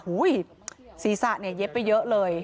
ฮุยศีรษะเย็บไปเยอะเลย